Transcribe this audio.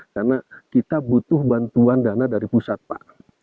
karena kita butuh bantuan dana dari pusat pak